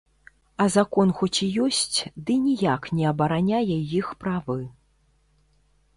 А закон хоць і ёсць, ды ніяк не абараняе іх правы.